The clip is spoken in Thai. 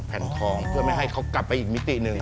เพื่อไม่ให้เขากลับไปอีกมิติหนึ่งครับ